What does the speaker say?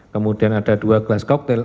kemudian ada dua gelas koktel